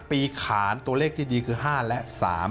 ปีขานตัวเลขที่ดีคือ๕และ๓